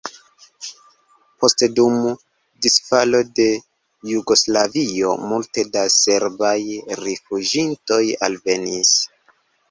Poste dum disfalo de Jugoslavio multe da serbaj rifuĝintoj alvenis.